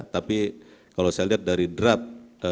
tapi kalau saya lihat dari draft